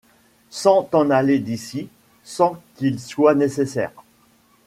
Sans t’en aller d’ici ; sans qu’il soit Nécessaire